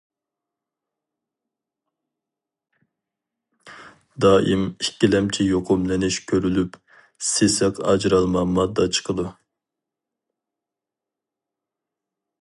دائىم ئىككىلەمچى يۇقۇملىنىش كۆرۈلۈپ، سېسىق ئاجرالما ماددا چىقىدۇ.